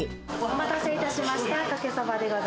お待たせいたしました。